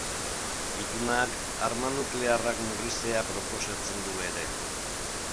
Itunak arma nuklearrak murriztea proposatzen du ere.